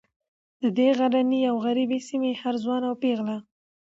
د دې غرنۍ او غریبې سیمې هر ځوان او پیغله